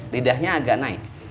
lidahnya agak naik